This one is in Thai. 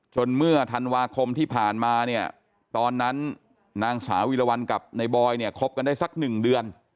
เมื่อธันวาคมที่ผ่านมาเนี่ยตอนนั้นนางสาววีรวรรณกับในบอยเนี่ยคบกันได้สักหนึ่งเดือน